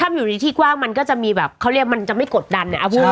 อยู่ในที่กว้างมันก็จะมีแบบเขาเรียกมันจะไม่กดดันในอาวุธ